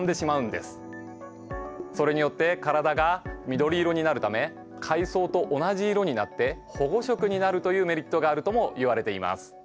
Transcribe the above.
それによって体が緑色になるため海藻と同じ色になって保護色になるというメリットがあるともいわれています。